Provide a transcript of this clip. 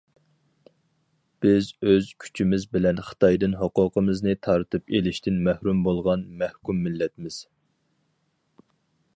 بىز ئۆز كۈچىمىز بىلەن خىتايدىن ھوقۇقىمىزنى تارتىپ ئېلىشتىن مەھرۇم بولغان مەھكۇم مىللەتمىز.